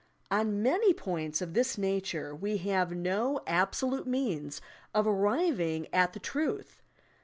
On many points of this nature we have no absolute means of arriving at the truth.